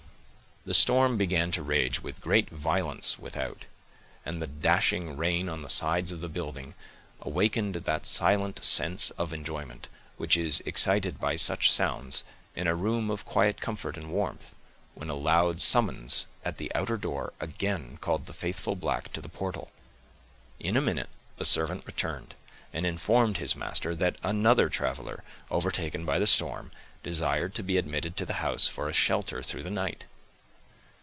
The storm began to rage with great violence without; and the dashing rain on the sides of the building awakened that silent sense of enjoyment, which is excited by such sounds in a room of quiet comfort and warmth, when a loud summons at the outer door again called the faithful black to the portal. In a minute the servant returned, and informed his master that another traveler, overtaken by the storm, desired to be admitted to the house for a shelter through the night.